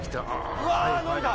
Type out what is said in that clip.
うわ伸びた！